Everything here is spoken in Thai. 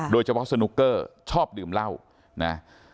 โดยเฉพาะสนุกเกอร์ชอบดื่มเหล้านะ